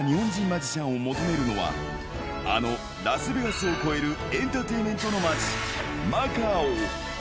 そんな実力派日本人マジシャンを求めるのは、あのラスベガスを超えるエンターテインメントの街、マカオ。